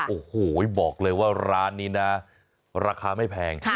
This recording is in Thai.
โอ้โหบอกเลยว่าร้านนี้นะราคาไม่แพง